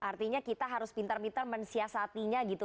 artinya kita harus pintar pintar mensiasatinya gitu